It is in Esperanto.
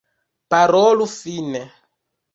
Parolu fine!